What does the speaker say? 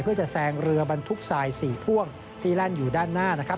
เพื่อจะแซงเรือบรรทุกทรายสี่พ่วงที่แล่นอยู่ด้านหน้านะครับ